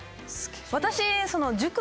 私。